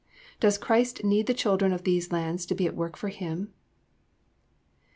Does Christ need the children of these lands to be at work for Him?